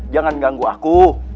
jangan ganggu aku